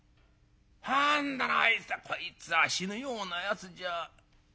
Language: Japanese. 変だなあいつはこいつは死ぬようなやつじゃ。